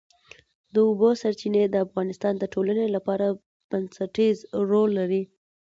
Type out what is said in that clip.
د اوبو سرچینې د افغانستان د ټولنې لپاره بنسټيز رول لري.